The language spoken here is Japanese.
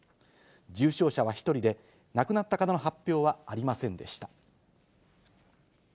重症者は１人で、亡くなった方の発表はありませんでした。